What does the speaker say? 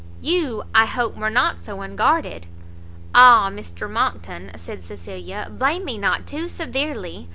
You, I hope, were not so unguarded " "Ah, Mr Monckton," said Cecilia, "blame me not too severely!